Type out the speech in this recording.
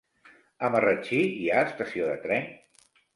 A Marratxí hi ha estació de tren?